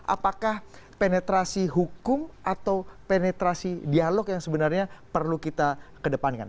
apakah penetrasi hukum atau penetrasi dialog yang sebenarnya perlu kita kedepankan